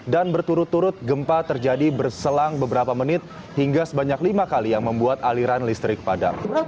dan berturut turut gempa terjadi berselang beberapa menit hingga sebanyak lima kali yang membuat aliran listrik padam